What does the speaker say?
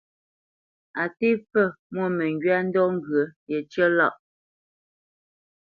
Á tê pfə mwô məŋgywa ndɔ̌ ŋgyə̂ yəcé lâʼ.